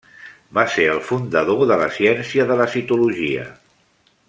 Va ser el fundador de la ciència de la citologia.